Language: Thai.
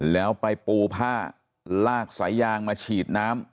แล้วไปปูผ้าลากสายยางมาฉีดน้ำ